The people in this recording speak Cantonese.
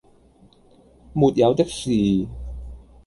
「沒有的事……」